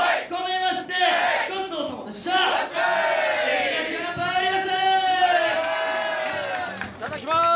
いただきます。